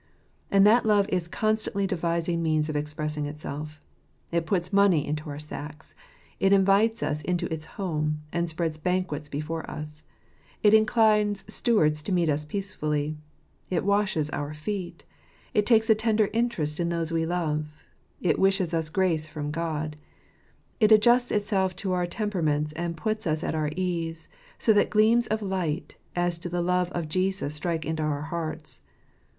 And that love is constantly devising means of expressing itself. It puts money into our sacks; it invites us to its home, and spreads banquets before us; it inclines stewards to meet us peacefully; it washes our feet; it takes a tender interest in those we love; it wishes us grace from God; it adjusts itself to our tem peraments and puts us at our ease, so that gleams of light as to the love of Jesus strike into our hearts